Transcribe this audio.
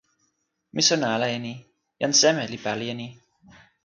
mi sona ala e ni: jan seme li pali e ni.